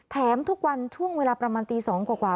แถมทุกวันช่วงเวลาประมาณตี๒กว่า